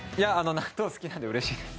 納豆好きなんでうれしいです。